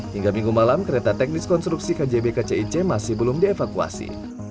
hingga minggu malam kereta teknis konstruksi kjb kcic masih belum dievakuasi